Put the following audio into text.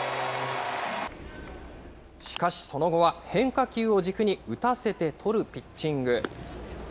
しかし、その後は変化球を軸に、打たせて取るピッチング。